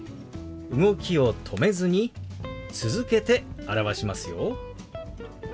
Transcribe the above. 動きを止めずに続けて表しますよ。